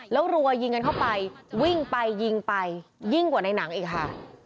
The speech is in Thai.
แล้วรัวยิงกันเข้าไปวิ่งไปยิงไปยิ่งกว่าในหนังอีกค่ะ